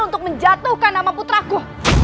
untuk menjatuhkan nama puteraku